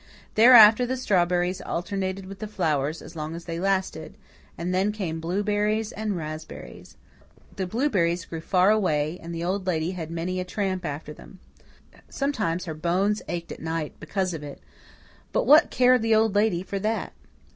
Thereafter the strawberries alternated with the flowers as long as they lasted, and then came blueberries and raspberries. The blueberries grew far away and the Old Lady had many a tramp after them. Sometimes her bones ached at night because of it; but what cared the Old Lady for that?